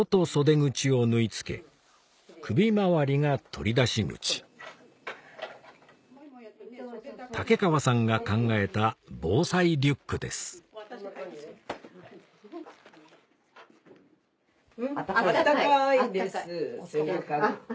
口竹川さんが考えた防災リュックです・温かいです・